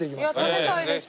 食べたいです。